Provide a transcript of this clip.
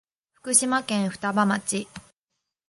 福島県双葉町